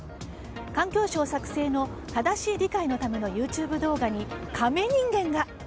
環境省作成の正しい理解のためのＹｏｕＴｕｂｅ動画にカメ人間が？